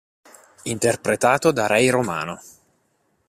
Interpretato da Ray Romano.